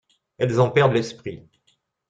Elles en perdent l'esprit.